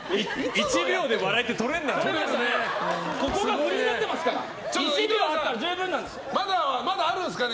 １秒で笑いってとれるんだね。